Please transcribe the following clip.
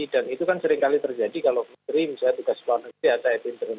dan itu kan seringkali terjadi kalau menteri misalnya tugas pemerintah